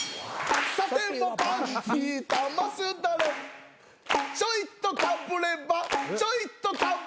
「さてもパンティー玉すだれ」「ちょいとかぶればちょいとかぶれば」